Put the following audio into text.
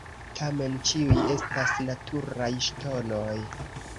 Tamen ĉiuj estas "naturaj ŝtonoj".